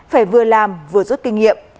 phải vừa làm vừa rút kinh nghiệm